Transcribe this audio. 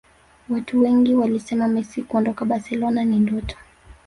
Watu wengi walisema Messi kuondoka Barcelona ni ndoto